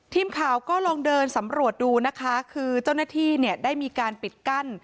ทีมข่าวก็ลองเดินสำรวจดูนะคะคือเจ้าหน้าที่เนี่ยได้มีการปิดกั้น